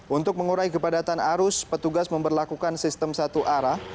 untuk mengurai kepadatan arus petugas memperlakukan sistem satu arah